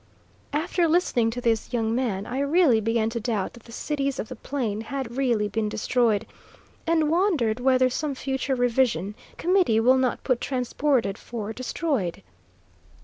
After listening to this young man, I really began to doubt that the Cities of the Plain had really been destroyed, and wondered whether some future revision committee will not put transported for destroyed.